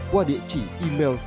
qua địa chỉ email